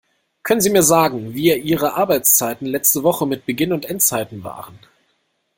Können sie mir sagen, wir ihre Arbeitszeiten letzte Woche mit Beginn und Endzeiten waren?